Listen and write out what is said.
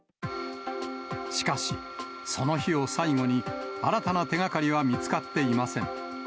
しかし、その日を最後に、新たな手がかりは見つかっていません。